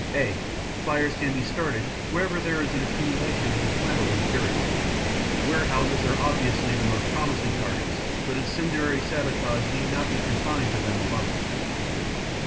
(a) Fires can be started wherever there is an accumulation of inflammable material. Warehouses are obviously the most promising targets but incendiary sabotage need not be confined to them alone.